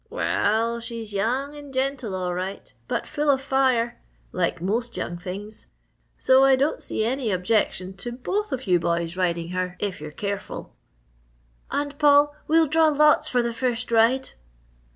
"Well, she's young and gentle all right, but full of fire like most young things. So I don't see any objection to both of you boys riding her if you're careful." "And Paul, we'll draw lots for the first ride!"